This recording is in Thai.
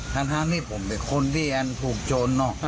ทั้งนี่ผมเป็นคนที่ถูกโจร